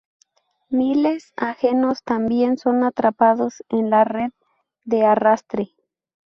miles ajenos también son atrapados en la red de arrastre